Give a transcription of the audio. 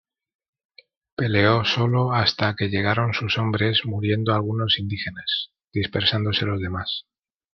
Peleó solo hasta que llegaron sus hombres muriendo algunos indígenas, dispersándose los demás.